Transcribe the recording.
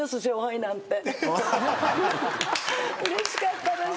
うれしかったです。